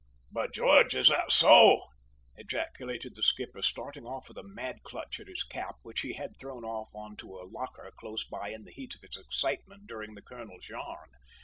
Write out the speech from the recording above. "By George! is that so?" ejaculated the skipper, starting off with a mad clutch at his cap, which he had thrown off on to a locker close by in the heat of his excitement during the colonel's yarn.